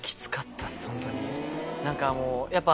何かもうやっぱ。